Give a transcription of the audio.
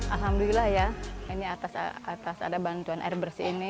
alhamdulillah ya ini atas ada bantuan air bersih ini